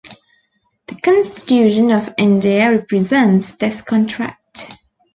The Constitution of India represents this contract.